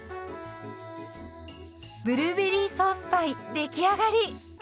ブルーベリーソースパイ出来上がり。